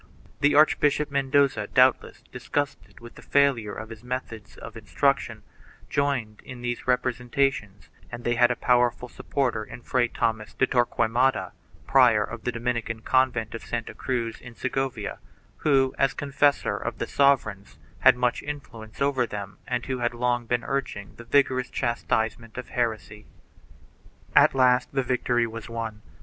1 The Archbishop Mendoza, doubtless disgusted with the failure of his methods of instruction, joined in these representations and they had a powerful supporter in Fray Thomas de Torquemada, prior of the Dominican convent of Santa Cruz in Segovia, who, as confessor of the sovereigns, had much influence over them and who had long been urging the vigorous chastisement of heresy.2 At last the victory was won.